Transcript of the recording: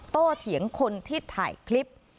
เถียงคนที่ถ่ายคลิป